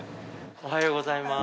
おはようございます。